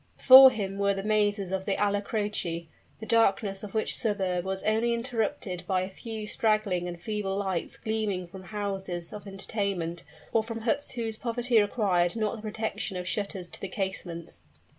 Before him were the mazes of the Alla Croce, the darkness of which suburb was only interrupted by a few straggling and feeble lights gleaming from houses of entertainment, or from huts whose poverty required not the protection of shutters to the casements.